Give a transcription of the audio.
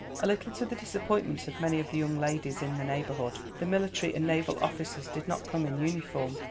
A little to the disappointment of many of the young ladies in the neighbourhood, the military and naval officers did not come in uniform.